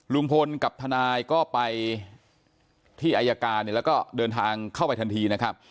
ลุงพลกับทนายก็ไปที่อายการแล้วก็เดินทางเข้าไปทันทีนะครับ